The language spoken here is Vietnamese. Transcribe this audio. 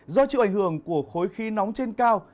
do chịu ảnh hưởng của khối khí nóng trên cao